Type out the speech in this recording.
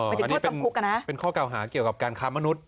อ๋ออันนี้เป็นข้อกล่าวหาเกี่ยวกับการค้ามนุษย์